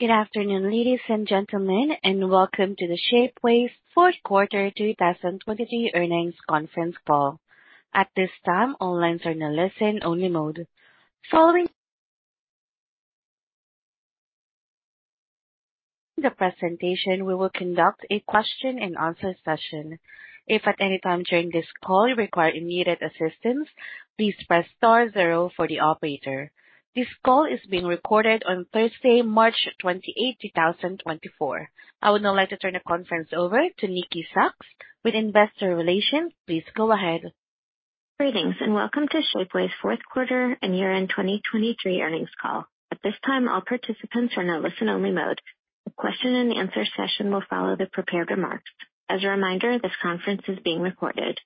Good afternoon, ladies and gentlemen, and welcome to the Shapeways Fourth Quarter 2023 earnings conference call. At this time, all lines are in a listen-only mode. Following the presentation, we will conduct a question-and-answer session. If at any time during this call you require immediate assistance, please press star zero for the operator. This call is being recorded on Thursday, March 28, 2024. I would now like to turn the conference over to Nikki Sacks. With Investor Relations, please go ahead. Greetings, and welcome to Shapeways fourth quarter and year-end 2023 earnings call. At this time, all participants are in a listen-only mode. A question-and-answer session will follow the prepared remarks. As a reminder, this conference is being recorded.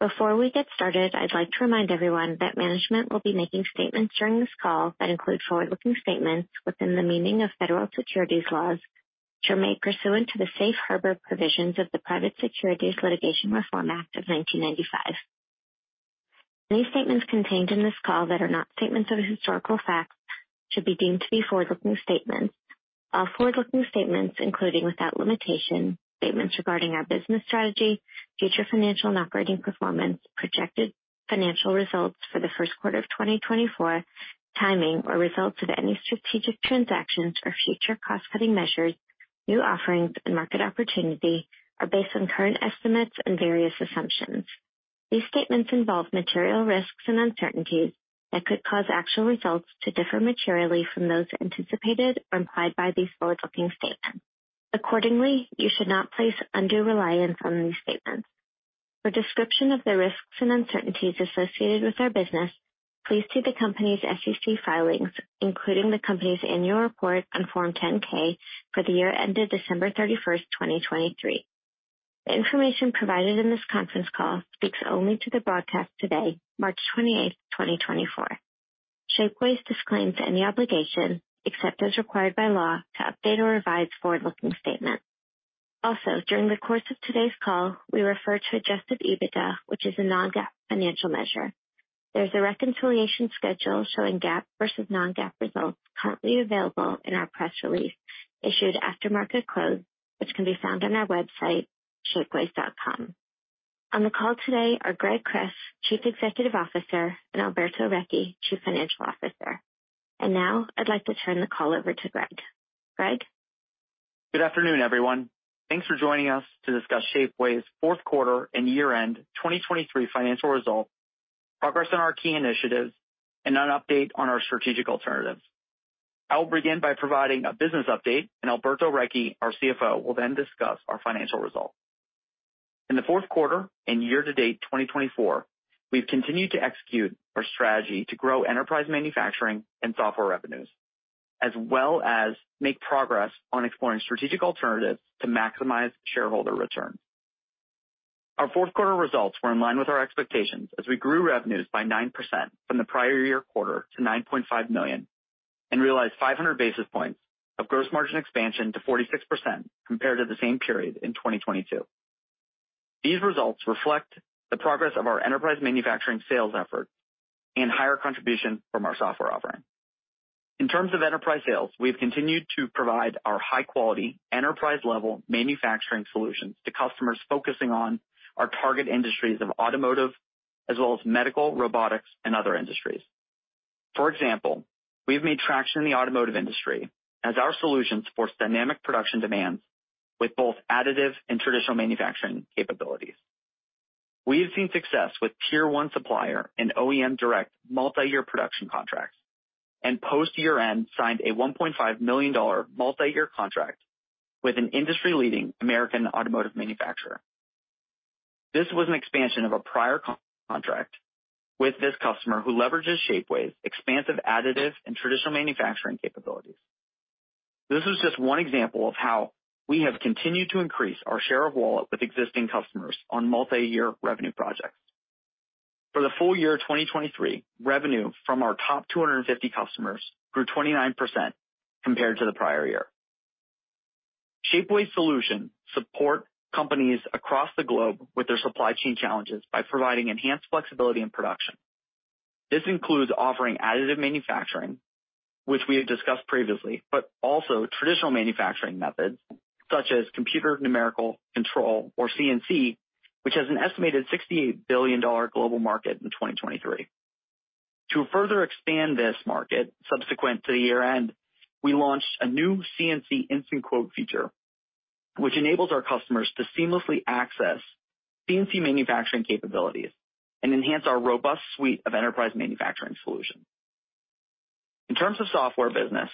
Before we get started, I'd like to remind everyone that management will be making statements during this call that include forward-looking statements within the meaning of federal securities laws which are made pursuant to the Safe Harbor provisions of the Private Securities Litigation Reform Act of 1995. Any statements contained in this call that are not statements of historical facts should be deemed to be forward-looking statements. All forward-looking statements, including without limitation, statements regarding our business strategy, future financial and operating performance, projected financial results for the first quarter of 2024, timing or results of any strategic transactions or future cost-cutting measures, new offerings, and market opportunity, are based on current estimates and various assumptions. These statements involve material risks and uncertainties that could cause actual results to differ materially from those anticipated or implied by these forward-looking statements. Accordingly, you should not place undue reliance on these statements. For description of the risks and uncertainties associated with our business, please see the company's SEC filings, including the company's annual report on Form 10-K for the year ended December 31, 2023. The information provided in this conference call speaks only to the broadcast today, March 28, 2024. Shapeways disclaims any obligation, except as required by law, to update or revise forward-looking statements. Also, during the course of today's call, we refer to Adjusted EBITDA, which is a non-GAAP financial measure. There's a reconciliation schedule showing GAAP versus non-GAAP results currently available in our press release issued after market close, which can be found on our website, shapeways.com. On the call today are Greg Kress, Chief Executive Officer, and Alberto Recchi, Chief Financial Officer. Now I'd like to turn the call over to Greg. Greg? Good afternoon, everyone. Thanks for joining us to discuss Shapeways' fourth quarter and year-end 2023 financial results, progress on our key initiatives, and an update on our strategic alternatives. I will begin by providing a business update, and Alberto Recchi, our CFO, will then discuss our financial results. In the fourth quarter and year-to-date 2024, we've continued to execute our strategy to grow enterprise manufacturing and software revenues, as well as make progress on exploring strategic alternatives to maximize shareholder returns. Our fourth quarter results were in line with our expectations as we grew revenues by 9% from the prior year quarter to $9.5 million and realized 500 basis points of gross margin expansion to 46% compared to the same period in 2022. These results reflect the progress of our enterprise manufacturing sales efforts and higher contribution from our software offering. In terms of enterprise sales, we've continued to provide our high-quality, enterprise-level manufacturing solutions to customers focusing on our target industries of automotive as well as medical, robotics, and other industries. For example, we've made traction in the automotive industry as our solution supports dynamic production demands with both additive and traditional manufacturing capabilities. We've seen success with Tier 1 supplier and OEM direct multi-year production contracts, and post-year-end signed a $1.5 million multi-year contract with an industry-leading American automotive manufacturer. This was an expansion of a prior contract with this customer who leverages Shapeways' expansive additive and traditional manufacturing capabilities. This was just one example of how we have continued to increase our share of wallet with existing customers on multi-year revenue projects. For the full year 2023, revenue from our top 250 customers grew 29% compared to the prior year. Shapeways' solutions support companies across the globe with their supply chain challenges by providing enhanced flexibility in production. This includes offering additive manufacturing, which we have discussed previously, but also traditional manufacturing methods such as computer numerical control or CNC, which has an estimated $68 billion global market in 2023. To further expand this market subsequent to the year-end, we launched a new CNC instant quote feature, which enables our customers to seamlessly access CNC manufacturing capabilities and enhance our robust suite of enterprise manufacturing solutions. In terms of software business,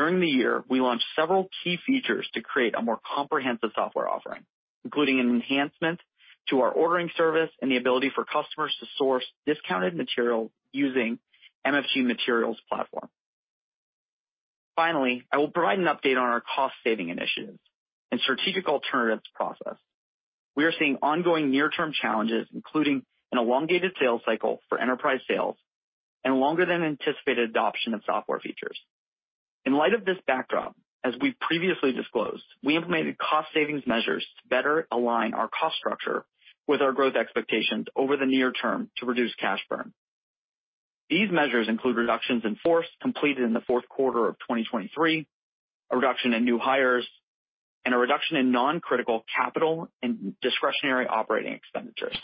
during the year, we launched several key features to create a more comprehensive software offering, including an enhancement to our ordering service and the ability for customers to source discounted materials using MFG Materials platform. Finally, I will provide an update on our cost-saving initiatives and strategic alternatives process. We are seeing ongoing near-term challenges, including an elongated sales cycle for enterprise sales and longer-than-anticipated adoption of software features. In light of this backdrop, as we've previously disclosed, we implemented cost-savings measures to better align our cost structure with our growth expectations over the near term to reduce cash burn. These measures include reductions in force completed in the fourth quarter of 2023, a reduction in new hires, and a reduction in non-critical capital and discretionary operating expenditures.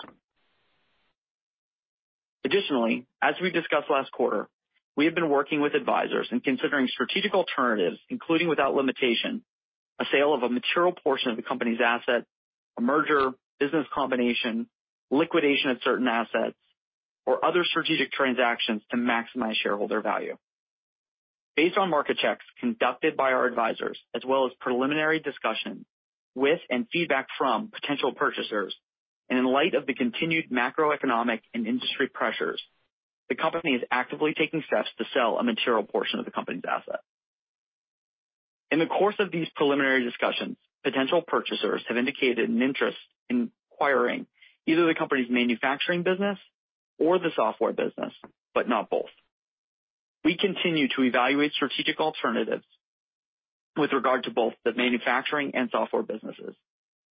Additionally, as we discussed last quarter, we have been working with advisors and considering strategic alternatives, including without limitation, a sale of a material portion of the company's asset, a merger, business combination, liquidation of certain assets, or other strategic transactions to maximize shareholder value. Based on market checks conducted by our advisors as well as preliminary discussions with and feedback from potential purchasers, and in light of the continued macroeconomic and industry pressures, the company is actively taking steps to sell a material portion of the company's asset. In the course of these preliminary discussions, potential purchasers have indicated an interest in acquiring either the company's manufacturing business or the software business, but not both. We continue to evaluate strategic alternatives with regard to both the manufacturing and software businesses,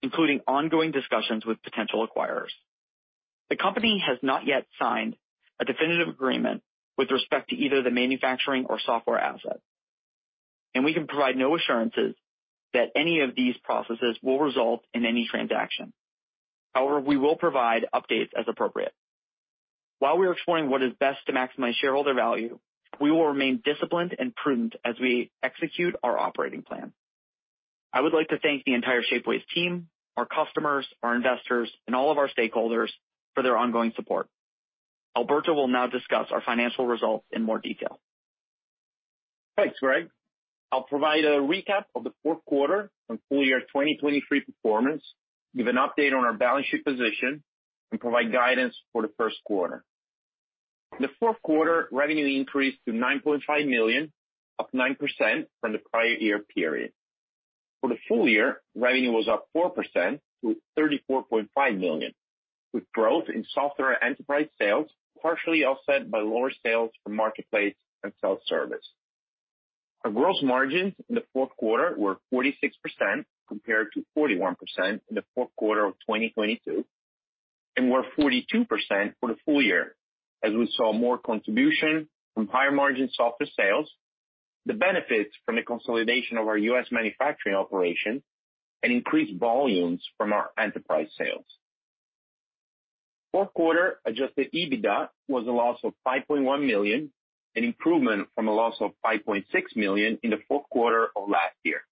including ongoing discussions with potential acquirers. The company has not yet signed a definitive agreement with respect to either the manufacturing or software asset, and we can provide no assurances that any of these processes will result in any transaction. However, we will provide updates as appropriate. While we are exploring what is best to maximize shareholder value, we will remain disciplined and prudent as we execute our operating plan. I would like to thank the entire Shapeways team, our customers, our investors, and all of our stakeholders for their ongoing support. Alberto will now discuss our financial results in more detail. Thanks, Greg. I'll provide a recap of the fourth quarter and full year 2023 performance, give an update on our balance sheet position, and provide guidance for the first quarter. In the fourth quarter, revenue increased to $9.5 million, up 9% from the prior year period. For the full year, revenue was up 4% to $34.5 million, with growth in software enterprise sales partially offset by lower sales from marketplace and self-service. Our gross margins in the fourth quarter were 46% compared to 41% in the fourth quarter of 2022 and were 42% for the full year, as we saw more contribution from higher-margin software sales, the benefits from the consolidation of our U.S. manufacturing operations, and increased volumes from our enterprise sales. Fourth quarter Adjusted EBITDA was a loss of $5.1 million, an improvement from a loss of $5.6 million in the fourth quarter of last year.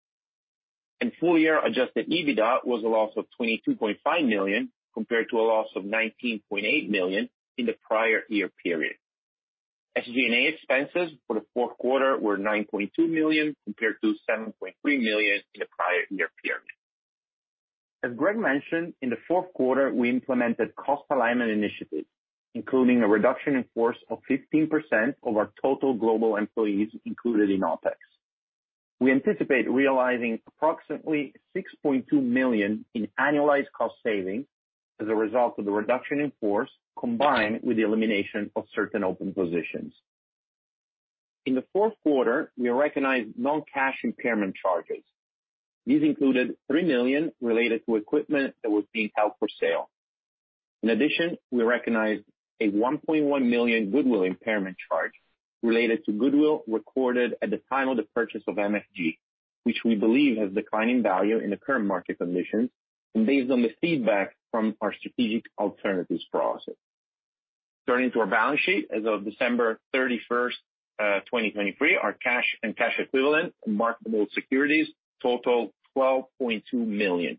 Full year adjusted EBITDA was a loss of $22.5 million compared to a loss of $19.8 million in the prior year period. SG&A expenses for the fourth quarter were $9.2 million compared to $7.3 million in the prior year period. As Greg mentioned, in the fourth quarter, we implemented cost alignment initiatives, including a reduction in force of 15% of our total global employees included in OpEx. We anticipate realizing approximately $6.2 million in annualized cost savings as a result of the reduction in force combined with the elimination of certain open positions. In the fourth quarter, we recognized non-cash impairment charges. These included $3 million related to equipment that was being held for sale. In addition, we recognized a $1.1 million goodwill impairment charge related to goodwill recorded at the time of the purchase of MFG, which we believe has declined in value in the current market conditions and based on the feedback from our strategic alternatives process. Turning to our balance sheet as of December 31, 2023, our cash and cash equivalents and marketable securities totaled $12.2 million.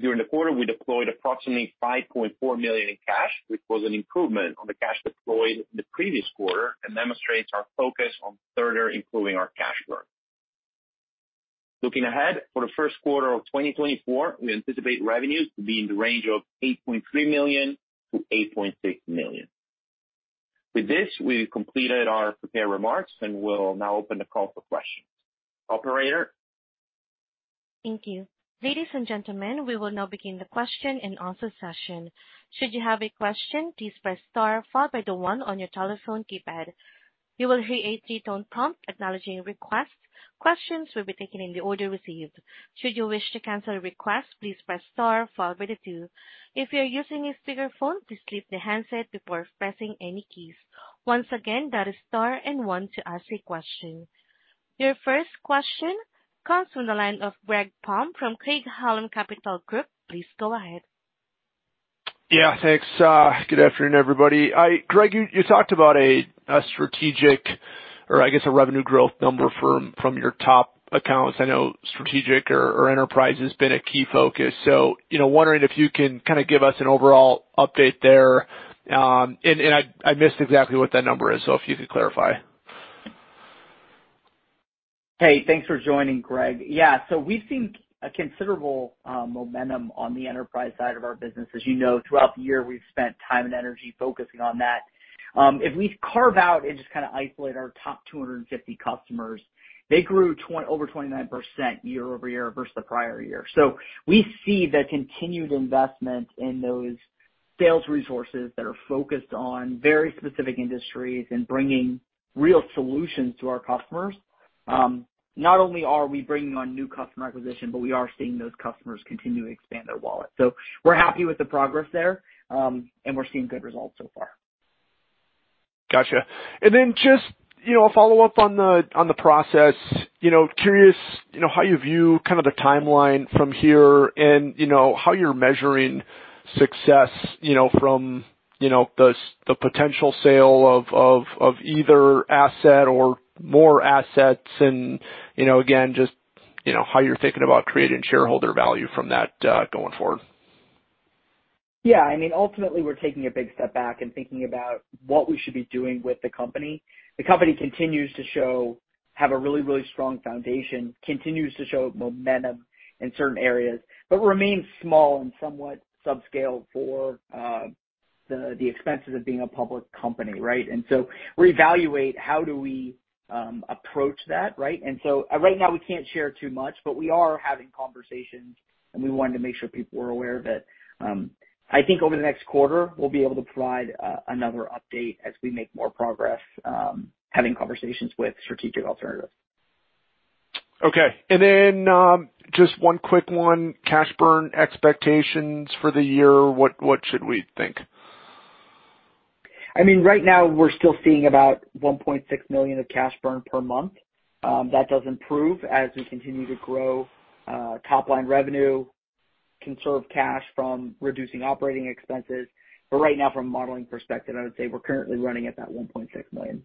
During the quarter, we deployed approximately $5.4 million in cash, which was an improvement on the cash deployed in the previous quarter and demonstrates our focus on further improving our cash burn. Looking ahead for the first quarter of 2024, we anticipate revenues to be in the range of $8.3 million-$8.6 million. With this, we completed our prepared remarks and will now open the call for questions. Operator? Thank you. Ladies and gentlemen, we will now begin the question and answer session. Should you have a question, please press star, followed by the 1 on your telephone keypad. You will hear a 3-tone prompt acknowledging requests. Questions will be taken in the order received. Should you wish to cancel a request, please press star, followed by the 2. If you're using a speakerphone, please lift the handset before pressing any keys. Once again, that is star and 1 to ask a question. Your first question comes from the line of Greg Palm from Craig-Hallum Capital Group. Please go ahead. Yeah, thanks. Good afternoon, everybody. Greg, you talked about a strategic or, I guess, a revenue growth number from your top accounts. I know strategic or enterprise has been a key focus. So wondering if you can kind of give us an overall update there. And I missed exactly what that number is, so if you could clarify. Hey, thanks for joining, Greg. Yeah, so we've seen a considerable momentum on the enterprise side of our business. As you know, throughout the year, we've spent time and energy focusing on that. If we carve out and just kind of isolate our top 250 customers, they grew over 29% year-over-year versus the prior year. So we see the continued investment in those sales resources that are focused on very specific industries and bringing real solutions to our customers. Not only are we bringing on new customer acquisition, but we are seeing those customers continue to expand their wallet. So we're happy with the progress there, and we're seeing good results so far. Gotcha. And then just a follow-up on the process. Curious how you view kind of the timeline from here and how you're measuring success from the potential sale of either asset or more assets and, again, just how you're thinking about creating shareholder value from that going forward. Yeah. I mean, ultimately, we're taking a big step back and thinking about what we should be doing with the company. The company continues to have a really, really strong foundation, continues to show momentum in certain areas, but remains small and somewhat subscaled for the expenses of being a public company, right? And so we evaluate, how do we approach that, right? And so right now, we can't share too much, but we are having conversations, and we wanted to make sure people were aware of it. I think over the next quarter, we'll be able to provide another update as we make more progress having conversations with strategic alternatives. Okay. And then just one quick one. Cash burn expectations for the year, what should we think? I mean, right now, we're still seeing about $1.6 million of cash burn per month. That does improve as we continue to grow top-line revenue, conserve cash from reducing operating expenses. But right now, from a modeling perspective, I would say we're currently running at that $1.6 million.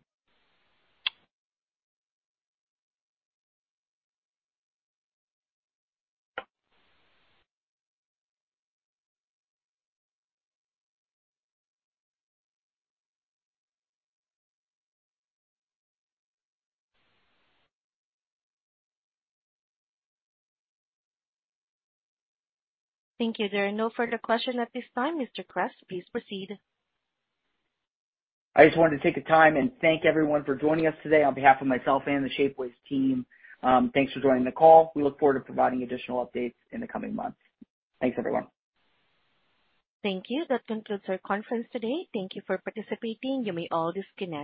Thank you. There are no further questions at this time. Mr. Kress, please proceed. I just wanted to take the time and thank everyone for joining us today on behalf of myself and the Shapeways team. Thanks for joining the call. We look forward to providing additional updates in the coming months. Thanks, everyone. Thank you. That concludes our conference today. Thank you for participating. You may all disconnect.